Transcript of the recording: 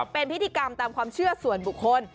เป็นพิธีกรรมตามความเชื่อส่วนบุคคล